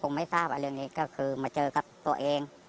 ผมไม่ทราบอะไรเรื่องนี้ก็คือมาเจอกับตัวเอง